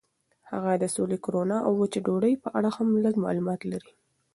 هغه د سولې، کرونا او وچې ډوډۍ په اړه هم لږ معلومات لري.